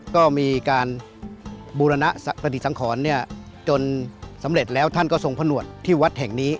ก็มีการบูรณปฏิสังขรจนสำเร็จแล้วท่านก็ทรงผนวดที่วัดแห่งนี้